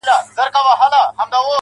• تـلاوت دي د ښايستو شعرو كومه.